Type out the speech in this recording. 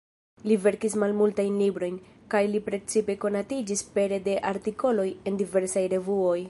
Li verkis malmultajn librojn, kaj li precipe konatiĝis pere de artikoloj en diversaj revuoj.